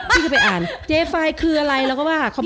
พี่ก็ไปอ่านเจฝัยคืออะไรแล้วก็บอกว่า